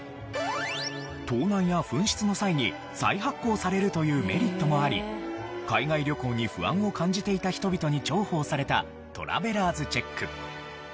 盗難や紛失の際に再発行されるというメリットもあり海外旅行に不安を感じていた人々に重宝されたトラベラーズチェック。